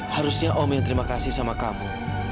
harusnya om yang terima kasih sama kamu